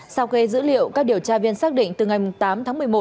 sau khi dữ liệu các điều tra viên xác định từ ngày tám tháng một mươi một